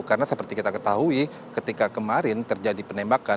karena seperti kita ketahui ketika kemarin terjadi penembakan